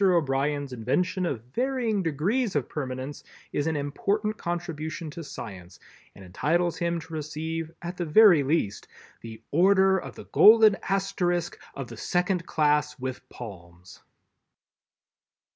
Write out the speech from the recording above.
O'Brien's invention of varying degrees of permanence is an important contribution to science and entitles him to receive at the very least the Order of the Golden Asterisk of the Second Class with Palms.